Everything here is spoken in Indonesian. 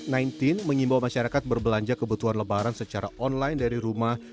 memperkenalkan bahwa masyarakat berbelanja kebutuhan lebaran secara online dari rumah